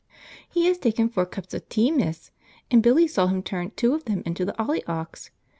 He has taken four cups of tea, miss, and Billy saw him turn two of them into the 'olly'ocks.